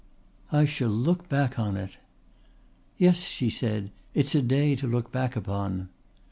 "I shall look back upon it." "Yes," she said. "It's a day to look back upon."